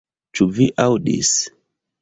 Ĉu vi aŭdis?